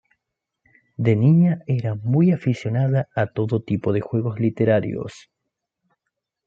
De niña era muy aficionada a todo tipo de juegos literarios.